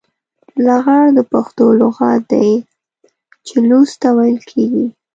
لغړ د پښتو لغت دی چې لوڅ ته ويل کېږي.